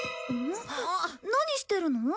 何してるの？